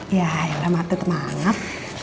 ya yaudah matutu manap